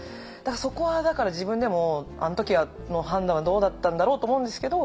そこはだから自分でもあの時の判断はどうだったんだろうと思うんですけど